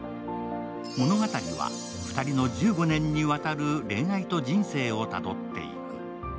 物語は２人の１５年にわたる恋愛と人生をたどっていく。